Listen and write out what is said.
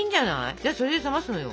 じゃあそれで冷ますのよ。